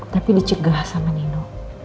tapi dicegah sama nino